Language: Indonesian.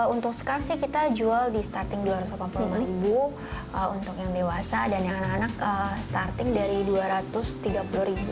untuk scarf sih kita jual di starting rp dua ratus delapan puluh untuk yang dewasa dan yang anak anak starting dari rp dua ratus tiga puluh